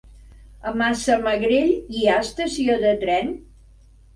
A Massamagrell hi ha estació de tren?